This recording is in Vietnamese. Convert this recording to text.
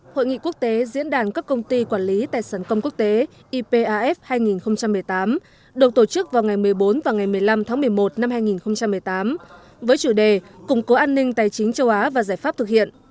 hội nghị quốc tế diễn đàn các công ty quản lý tài sản công quốc tế ipaf hai nghìn một mươi tám được tổ chức vào ngày một mươi bốn và ngày một mươi năm tháng một mươi một năm hai nghìn một mươi tám với chủ đề củng cố an ninh tài chính châu á và giải pháp thực hiện